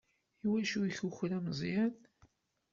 I wacu i ikukra Meẓyan?